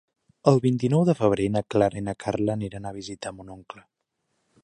El vint-i-nou de febrer na Clara i na Carla aniran a visitar mon oncle.